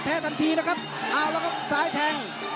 ทันทีนะครับเอาแล้วครับซ้ายแทง